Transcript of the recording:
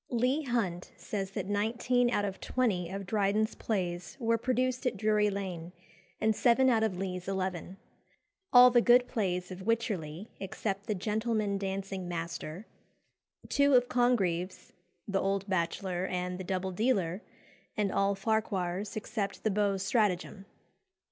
Leigh Hunt says that "Nineteen out of twenty of Dryden's plays were produced at Drury Lane, and seven out of Lee's eleven; all the good plays of Wycherly, except 'The Gentleman Dancing Master;' two of Congreve's 'The Old Bachelor' and 'The Double Dealer;' and all Farquhar's, except 'The Beau's Stratagem.